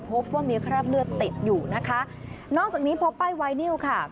พบว่ามีคราบเลือดติดอยู่นะคะนอกจากนี้พบป้ายไวนิวค่ะ